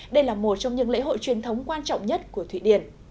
đây là một trong những lễ hội truyền thống quan trọng nhất của thụy điển